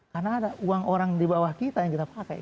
karena ada uang orang di bawah kita yang kita pakai